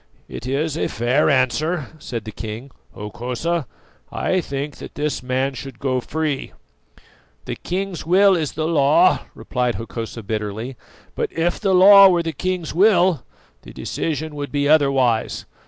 "It is a fair answer," said the king. "Hokosa, I think that this man should go free." "The king's will is the law," replied Hokosa bitterly; "but if the law were the king's will, the decision would be otherwise.